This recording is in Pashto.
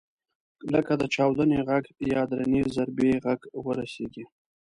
لکه د چاودنې غږ یا درنې ضربې غږ ورسېږي.